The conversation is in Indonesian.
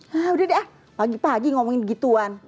hah udah deh ah pagi pagi ngomongin begituan